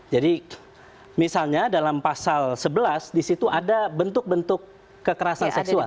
jadi misalnya dalam pasal sebelas di situ ada bentuk bentuk kekerasan seksual